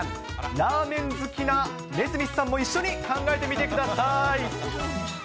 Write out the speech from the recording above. ラーメン好きなＮＥＳＭＩＴＨさんも一緒に考えてみてください。